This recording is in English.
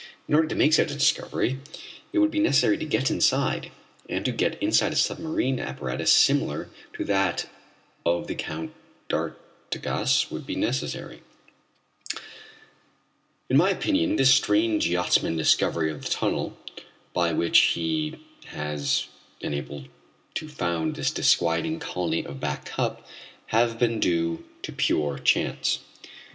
In order to make such a discovery it would be necessary to get inside, and to get inside a submarine apparatus similar to that of the Count d'Artigas would be necessary. In my opinion this strange yachtsman's discovery of the tunnel by which he has been able to found this disquieting colony of Back Cup must have been due to pure chance.